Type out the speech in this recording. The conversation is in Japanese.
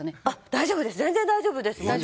大丈夫です全然大丈夫です。